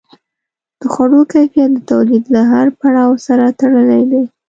د خوړو کیفیت د تولید له هر پړاو سره تړلی دی.